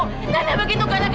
tidak ada begitu karena aku